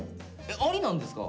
ありなんですか？